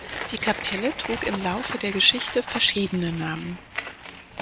Die Kapelle trug im Laufe der Geschichte verschiedene Namen.